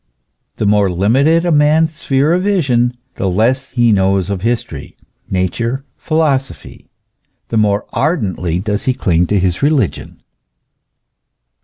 The more limited a man's sphere of vision, the less he knows of history, Nature, philosophy the more ardently does he cling to his religion.